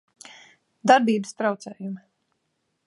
Darbības traucējumi